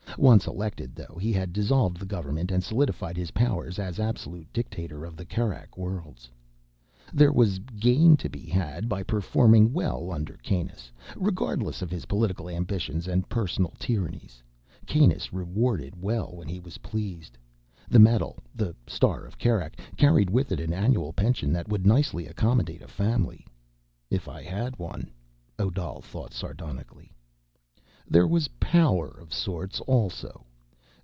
Once elected, though, he had dissolved the government and solidified his powers as absolute dictator of the Kerak Worlds. There was gain to be had by performing well under Kanus. Regardless of his political ambitions and personal tyrannies, Kanus rewarded well when he was pleased. The medal—the Star of Kerak—carried with it an annual pension that would nicely accommodate a family. If I had one, Odal thought, sardonically. There was power, of sorts, also.